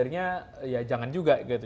akhirnya ya jangan juga gitu